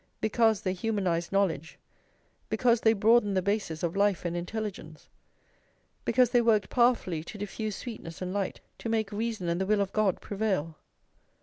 Because they humanised knowledge; because they broadened the basis of life and intelligence; because they worked powerfully to diffuse sweetness and light, to make reason and the will of God prevail.